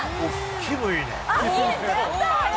気分いいね。